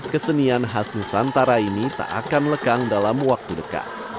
kesenian khas nusantara ini tak akan lekang dalam waktu dekat